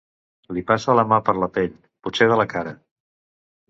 Li passa la mà per la pell, potser de la cara.